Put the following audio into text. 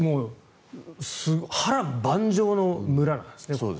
波乱万丈の村なんですね。